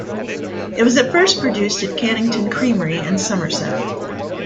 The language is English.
It was at first produced at Cannington creamery in Somerset.